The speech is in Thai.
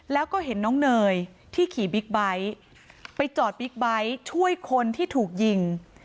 แล้วก็เห็นน้องเนยที่ขี่บิ๊กไบท์ไปจอดบิ๊กไบท์ช่วยคนที่ถูกยิง